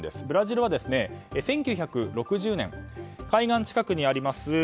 ブラジルは、１９６０年海岸近くにあります